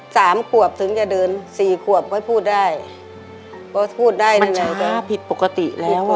สามขวบถึงจะเดินสี่ขวบก็พูดได้ว่าพูดได้ยังไงก็ผิดปกติแล้วอ่ะ